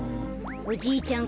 おじいちゃん